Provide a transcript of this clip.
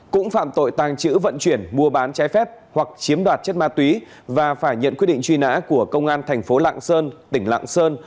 cũng phạm tội tàng trữ vận chuyển mua bán trái phép hoặc chiếm đoạt chất ma túy và phải nhận quyết định truy nã của công an thành phố lạng sơn tỉnh lạng sơn